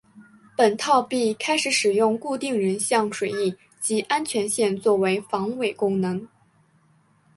本套币开始使用固定人像水印及安全线作为防伪功能。